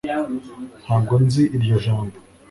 ntabwo nzi iryo jambo